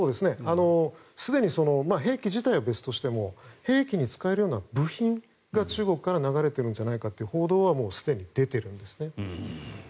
すでに兵器自体は別としても兵器に使えるような部品が中国から流れているんじゃないかという報道はすでに出ているんです。